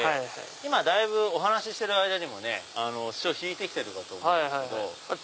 今だいぶお話ししてる間にもね潮引いて来てると思うんです。